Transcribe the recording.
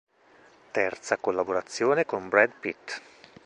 Terza collaborazione con Brad Pitt.